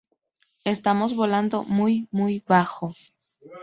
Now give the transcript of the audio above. Estamos volando muy, muy bajo.